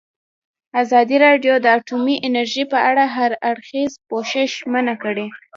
ازادي راډیو د اټومي انرژي په اړه د هر اړخیز پوښښ ژمنه کړې.